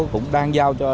cũng đang giao cho